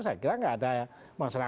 saya kira enggak ada masyarakat